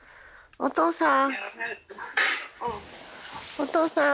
お父さん。